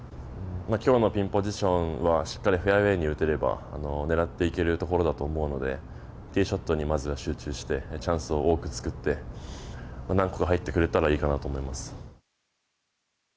今日のピンポジションはしっかりフェアウエーに入れれば狙っていけるところだと思うのでティーショットにまずは集中してチャンスを多く作って何個か入ってくれたらいいかなと思います。